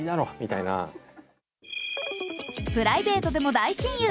プライベートでも大親友。